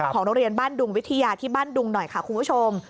โรงเรียนบ้านดุงวิทยาที่บ้านดุงหน่อยค่ะคุณผู้ชม